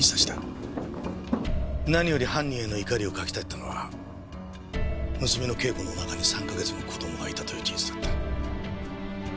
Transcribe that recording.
何より犯人への怒りをかき立てたのは娘の景子のおなかに３か月の子供がいたという事実だった。